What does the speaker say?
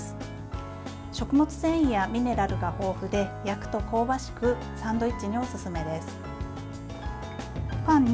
食物繊維やミネラルが豊富で焼くと香ばしくサンドイッチにおすすめです。